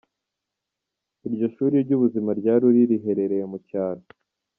Iryo shuri ry’ubuzima rya Ruli riherereye mu cyaro.